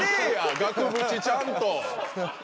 額縁ちゃんと。